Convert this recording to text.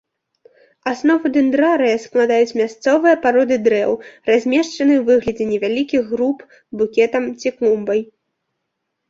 Аснову дэндрарыя складаюць мясцовыя пароды дрэў, размешчаныя ў выглядзе невялікіх груп, букетам ці клумбай.